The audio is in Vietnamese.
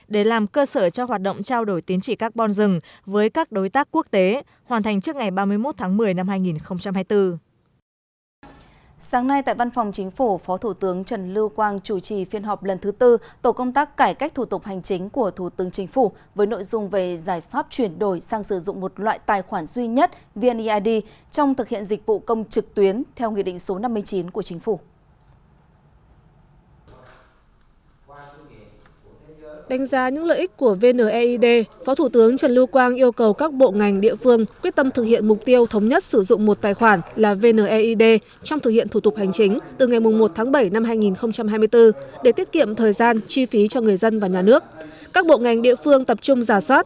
để làm cơ sở cho hoạt động trao đổi tiến trị carbon rừng với các đối tác quốc tế hoàn thành trước ngày ba mươi một tháng một mươi năm hai nghìn hai mươi bốn